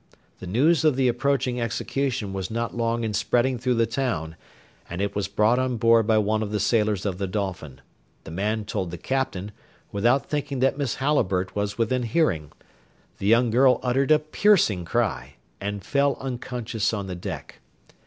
The news of the approaching execution was not long in spreading through the town, and it was brought on board by one of the sailors of the Dolphin; the man told the Captain, without thinking that Miss Halliburtt was within hearing; the young girl uttered a piercing cry, and fell unconscious on the deck.